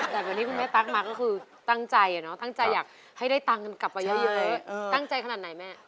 แต่วันนี้คุณแม่ตั๊กมาก็คือตั้งใจตั้งใจอยากให้ได้ตังค์กันกลับไปเยอะตั้งใจขนาดไหนแม่